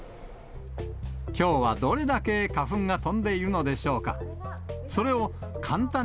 きょうはどれだけ花粉が飛んでいるのでしょうか。